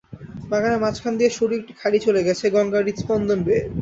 বাগানের মাঝখান দিয়ে সরু একটি খাড়ি চলে গেছে, গঙ্গার হৃৎস্পন্দন বয়ে।